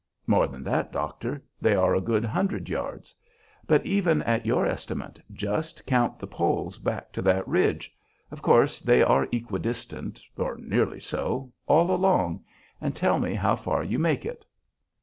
"More than that, doctor. They are a good hundred yards. But even at your estimate, just count the poles back to that ridge of course they are equidistant, or nearly so, all along and tell me how far you make it."